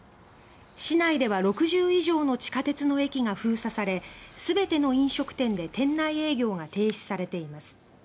市内では６０以上の地下鉄の駅が封鎖され全ての飲食店で店内営業が停止されています。